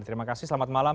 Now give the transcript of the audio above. terima kasih selamat malam